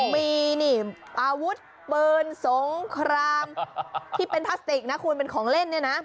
มีนี่อาวุธปืนสงครามที่เป็นพลาสติกนะคุณเป็นของเล่นเนี่ยนะ